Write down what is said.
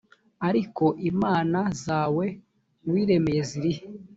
ariko imana zawe wiremeye ziri he